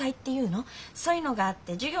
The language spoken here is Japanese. そういうのがあって授業がないんです。